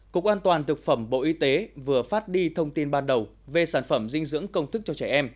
cục an toàn thực phẩm bộ y tế vừa phát đi thông tin ban đầu về sản phẩm dinh dưỡng công thức cho trẻ em